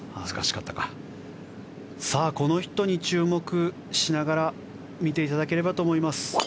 この人に注目しながら見ていただければと思います。